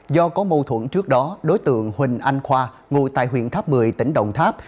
do có mâu thuẫn trước đó đối tượng huỳnh anh khoa ngồi tại huyện tháp một mươi tỉnh đồng tháp